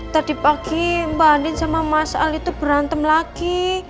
tadi pagi mbak andin sama mas ali itu berantem lagi